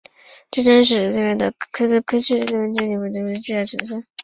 战争使卡累利阿的国民经济和文化事业遭受巨大损失。